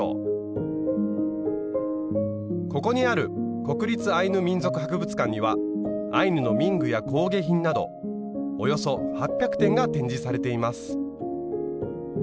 ここにある国立アイヌ民族博物館にはアイヌの民具や工芸品などおよそ８００点が展示されています。